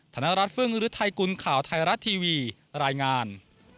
ธนรัฐฟึ่งฤทัยกุลข่าวไทยรัฐทีวีรายงาน